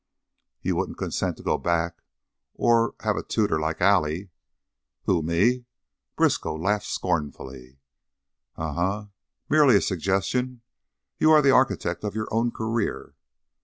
"You wouldn't consent to go back or have a tutor, like Allie?" "Who, me?" Briskow laughed scornfully. "Um m! Merely a suggestion. You are the architect of your own career."